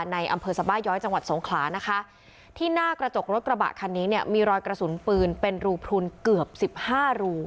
ในอำเภอสบาย้อยจังหวัดสงขลานะคะที่หน้ากระจกรถกระบะคันนี้เนี่ยมีรอยกระสุนปืนเป็นรูพลุนเกือบสิบห้ารู